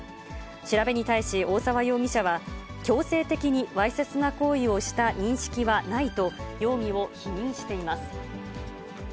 調べに対し、大沢容疑者は強制的にわいせつな行為をした認識はないと、容疑を否認しています。